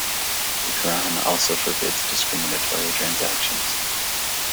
The Qur'an also forbids discriminatory transactions.